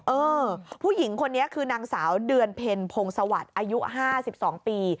เออผู้หญิงคนนี้คือนางสาวเดือนเพ็ญพงศวรรค์อายุ๕๒ปี